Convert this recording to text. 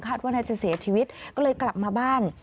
ว่าน่าจะเสียชีวิตก็เลยกลับมาบ้าน